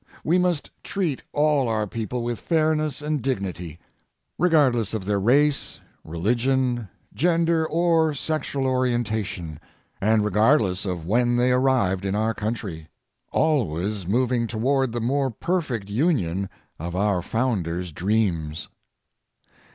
We must treat all our people with fairness and dignity, regardless of their race, religion, gender or sexual orientation and regardless of when they arrived in our country, always moving toward the more perfect union of our Founders' dreams.